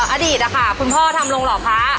อ่าอดีตค่ะคุณพ่อทำโรงหล่อพระ